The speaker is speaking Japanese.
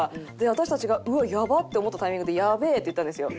私たちが「うわっやばっ」って思ったタイミングで「やべえ」って言ったんですよ。